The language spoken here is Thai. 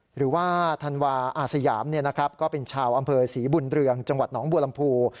หรือว่าธันวาอาสยามก็เป็นชาวอำเภอศรีบุญเรืองจังหวัดหนองบัวลำพู